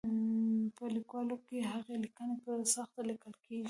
په لیکوالۍ کې هغه لیکنې په سخته لیکل کېږي.